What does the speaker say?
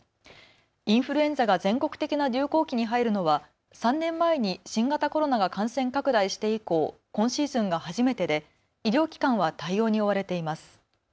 インフルエンザが全国的な流行期に入るのは３年前に新型コロナが感染拡大して以降、今シーズンが初めてで医療機関は対応に追われています。